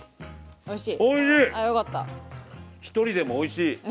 おいしい！